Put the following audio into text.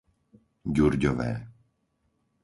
Ďurďové